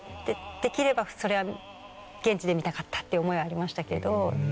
できればそれは現地で見たかったっていう思いはありましたけれど。